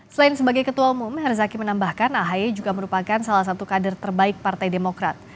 selain sebagai ketua umum herzaki menambahkan ahy juga merupakan salah satu kader terbaik partai demokrat